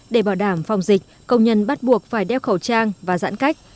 giảm phong dịch công nhân bắt buộc phải đeo khẩu trang và giãn cách